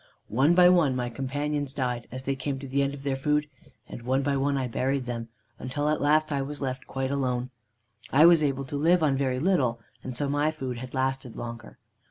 "One by one my companions died as they came to the end of their food, and one by one I buried them, until at last I was left quite alone. I was able to live on very little, and so my food had lasted longer.